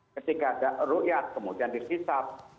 ketika ada ruqyah kemudian di hisap